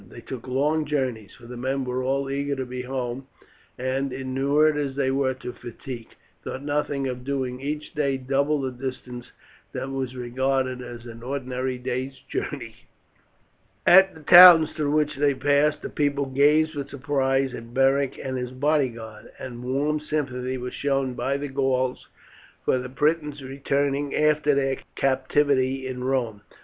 They took long journeys, for the men were all eager to be home, and, inured as they were to fatigue, thought nothing of doing each day double the distance that was regarded as an ordinary day's journey. At the towns through which they passed the people gazed with surprise at Beric and his bodyguard, and warm sympathy was shown by the Gauls for the Britons returning after their captivity in Rome.